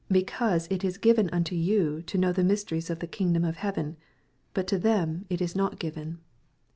Because it is given unto vou to Icnow the mysteries of the kingdom of hMkven, but to them it is not given.